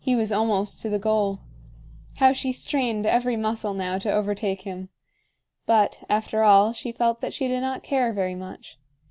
He was almost to the goal. How she strained every muscle now to overtake him! But, after all, she felt that she did not care very much.